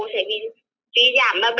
sẽ bị trí giảm